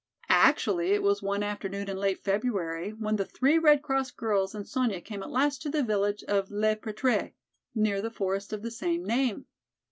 Actually it was one afternoon in late February, when the three Red Cross girls and Sonya came at last to the village of Le Pretre, near the forest of the same name.